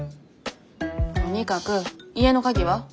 とにかく家の鍵は？